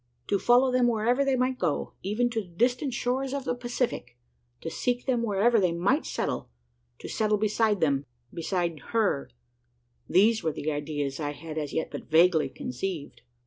To follow them wherever they might go even to the distant shores of the Pacific to seek them wherever they might settle to settle beside them beside her these were the ideas I had as yet but vaguely conceived.